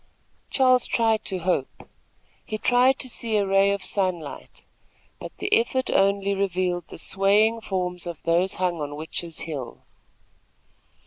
Charles tried to hope. He tried to see a ray of sunlight; but the effort only revealed the swaying forms of those hung on Witches' Hill.